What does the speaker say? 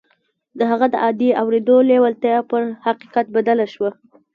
د هغه د عادي اورېدو لېوالتیا پر حقیقت بدله شوه